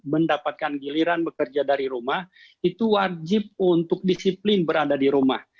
mendapatkan giliran bekerja dari rumah itu wajib untuk disiplin berada di rumah